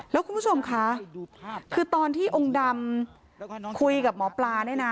แล้วคุณผู้ชมค่ะคือตอนที่องค์ดำคุยกับหมอปลาเนี่ยนะ